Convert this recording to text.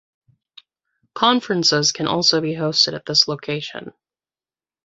Conferences can also be hosted at this location.